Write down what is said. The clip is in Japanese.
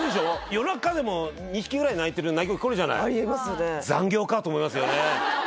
夜中でも２匹ぐらい鳴いてる鳴き声聞こえるじゃない「残業か！」と思いますよね